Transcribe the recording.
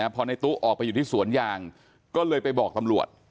พอในตู้ออกไปอยู่ที่สวนยางก็เลยไปบอกตำรวจ